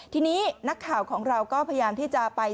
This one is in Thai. ทีนี้นักข่าวของเราก็พยายามที่จะไป